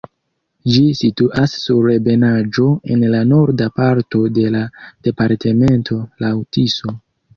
Ĝi situas sur ebenaĵo en la norda parto de la departemento laŭ Tiso.